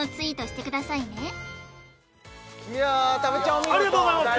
お見事ありがとうございます！